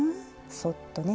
そっとね。